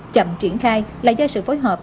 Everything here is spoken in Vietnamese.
chậm triển khai là do sự phối hợp